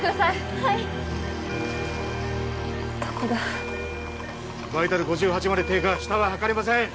はいどこだバイタル５８まで低下下は測れません